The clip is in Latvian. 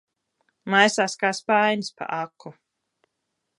Maisās kā spainis pa aku.